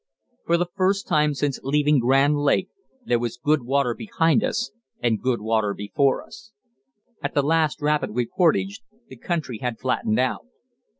For the first time since leaving Grand Lake there was good water behind us and good water before us. At the last rapid we portaged the country had flattened out.